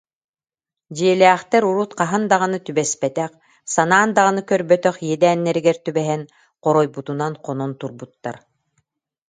Дьиэлээхтэр урут хаһан даҕаны түбэспэтэх, санаан даҕаны көрбөтөх иэдээннэригэр түбэһэн, хоройбутунан хонон турбуттар